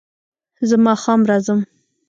زه ماښام راځم